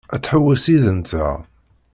Ad tḥewwes yid-nteɣ?